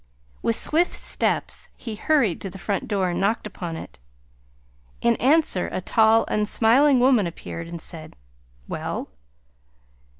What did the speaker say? With swift steps he hurried to the front door and knocked upon it. In answer a tall, unsmiling woman appeared, and said, "Well?"